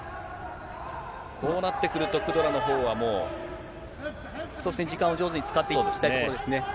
こうなってくると、クドラのほう時間を上手に使っていきたいところですね。